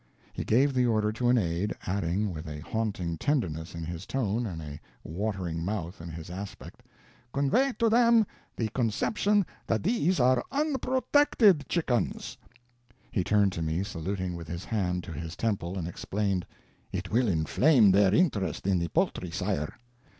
He gave the order to an aide, adding, with a haunting tenderness in his tone and a watering mouth in his aspect: "Convey to them the conception that these are unprotected chickens." He turned to me, saluting with his hand to his temple, and explained, "It will inflame their interest in the poultry, sire."